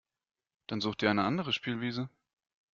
Dann such dir eine andere Spielwiese.